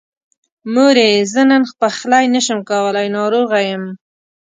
مورې! زه نن پخلی نشمه کولی، ناروغه يم.